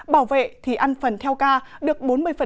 bảo vệ thì ăn phần theo ca được bốn mươi